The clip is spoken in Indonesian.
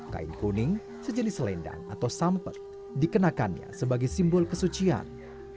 kain kuning sejenis selendang atau sampet dikenakannya sebagai simbol kesucian